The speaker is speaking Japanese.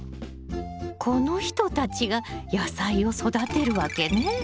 この人たちが野菜を育てるわけね！